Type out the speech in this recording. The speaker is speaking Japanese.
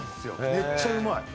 めっちゃうまい！